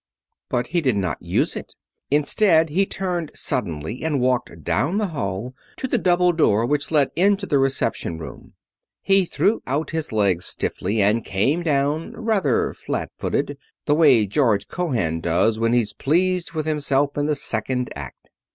But he did not use it. Instead he turned suddenly and walked down the hall to the double door which led into the reception room. He threw out his legs stiffly and came down rather flat footed, the way George Cohan does when he's pleased with himself in the second act.